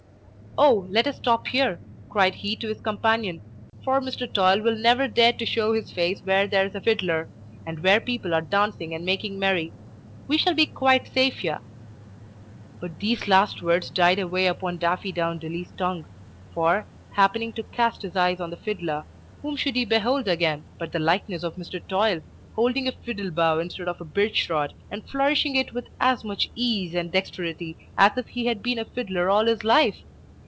"Oh, let us stop here," cried he to his companion; "for Mr. Toil will never dare to show his face where there is a fiddler, and where people are dancing and making merry. We shall be quite safe here!" But these last words died away upon Daffydowndilly's tongue; for, happening to cast his eyes on the fiddler, whom should he behold again but the likeness of Mr. Toil, holding a fiddle bow instead of a birch rod, and flourishing it with as much ease and dexterity as if he had been a fiddler all his life!